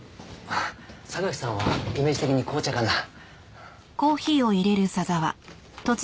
榊さんはイメージ的に紅茶かな？